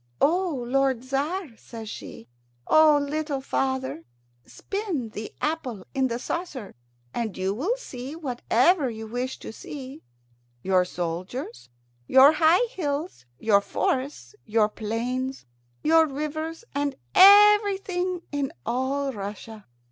"O lord Tzar," says she, "O little father, spin the apple in the saucer, and you will see whatever you wish to see your soldiers, your high hills, your forests, your plains, your rivers, and Everything in all Russia."